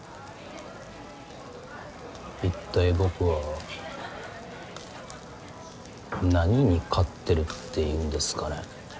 一体僕は何に勝ってるっていうんですかね。